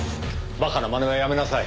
馬鹿なまねはやめなさい。